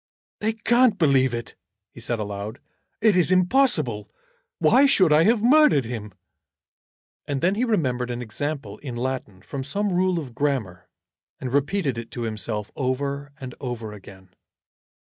"They can't believe it," he said aloud. "It is impossible. Why should I have murdered him?" And then he remembered an example in Latin from some rule of grammar, and repeated it to himself over and over again.